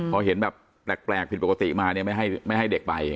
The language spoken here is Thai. พอเห็นแบบแปลกผิดปกติมาเนี่ยไม่ให้เด็กไป